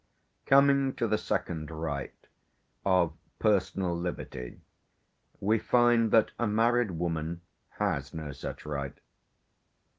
Coming to the second "right," of "personal liberty," we find that a married woman has no such right.